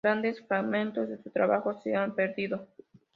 Grandes fragmentos de su trabajo se han perdido.